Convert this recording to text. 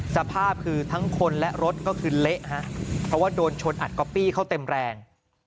สภาพคือทั้งคนและรถก็คือเละฮะเพราะว่าโดนชนอัดก๊อปปี้เข้าเต็มแรง